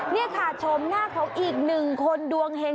นี่ค่ะชมหน้าของอีกหนึ่งคนดวงเห็ง